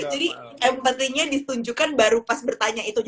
jadi empat ringnya ditunjukkan baru pas bertanya itu